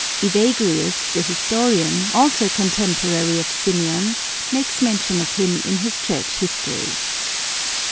Evagrius, the historian, also a contemporary of Symeon, makes mention of him in his Church History (lib.